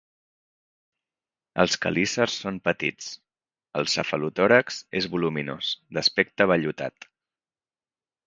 Els quelícers són petits; el cefalotòrax és voluminós, d'aspecte vellutat.